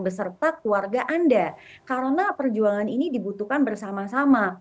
beserta keluarga anda karena perjuangan ini dibutuhkan bersama sama